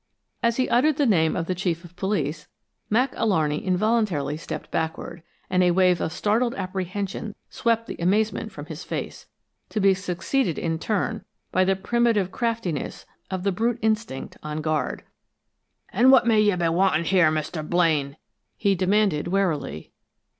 As he uttered the name of the Chief of Police, Mac Alarney involuntarily stepped backward, and a wave of startled apprehension swept the amazement from his face, to be succeeded in turn by the primitive craftiness of the brute instinct on guard. "And what may you be wanting here, Mr. Blaine?" he demanded, warily.